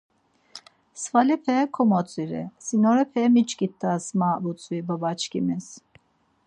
Svalepe komotziri sinorepe miçkit̆as ma butzvi babaçkimis.